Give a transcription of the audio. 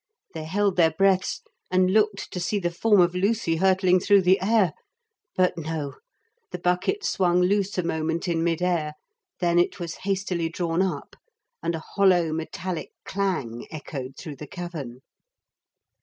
They held their breaths and looked to see the form of Lucy hurtling through the air. But no, the bucket swung loose a moment in mid air, then it was hastily drawn up, and a hollow metallic clang echoed through the cavern.